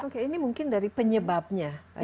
oke ini mungkin dari penyebabnya